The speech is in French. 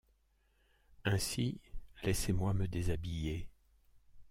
Ainsi laissez-moi me déshabiller.